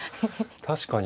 確かに。